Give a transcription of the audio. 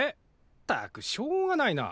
ったくしょうがないなあ。